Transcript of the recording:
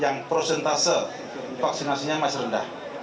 yang prosentase vaksinasinya masih rendah